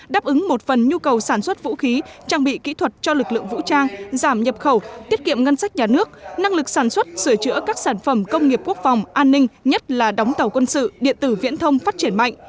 đáp ứng một phần nhu cầu sản xuất vũ khí trang bị kỹ thuật cho lực lượng vũ trang giảm nhập khẩu tiết kiệm ngân sách nhà nước năng lực sản xuất sửa chữa các sản phẩm công nghiệp quốc phòng an ninh nhất là đóng tàu quân sự điện tử viễn thông phát triển mạnh